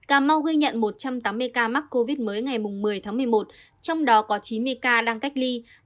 cảm mong ghi nhận một trăm tám mươi ca mắc covid mới ngày một mươi một mươi một trong đó có chín mươi ca đang cách ly